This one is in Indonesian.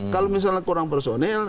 kalau misalnya kurang personil